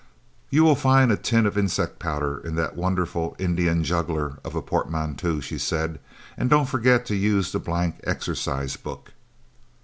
"You will find a tin of insect powder in that wonderful Indian juggler of a portmanteau," she said, "and don't forget to use the blank exercise book."